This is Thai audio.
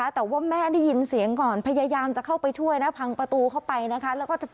แต่ว่าแม่ได้ยินเสียงก่อนพยายามจะเข้าไปช่วยนะพังประตูเข้าไปนะคะ